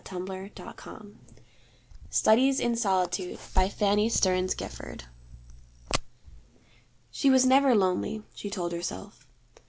Studies in Solitude By Fannie Stearns Gifford I She was never lonely, she told herself.